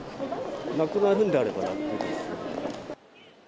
なくなるんであれば楽ですね。